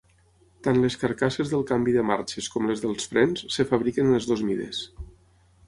Tant les carcasses del canvi de marxes com les dels frens es fabriquen en les dues mides.